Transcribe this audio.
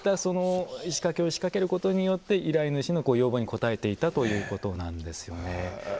そういった仕掛けを仕掛けることによって依頼主の要望に応えていたということなんですね。